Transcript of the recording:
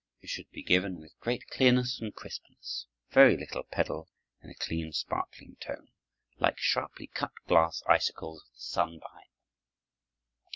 It should be given with great clearness and crispness, very little pedal, and a clean, sparkling tone, like sharply cut glass icicles with the sun behind them.